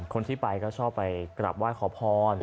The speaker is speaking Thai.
คนที่ไปก็ชอบไปกลับไหว้ขอพร